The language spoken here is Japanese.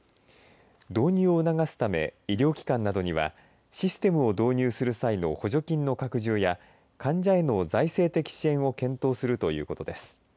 導入を促すため医療機関などにはシステムを導入する際の補助金の拡充や患者への財政的支援を検討するということです。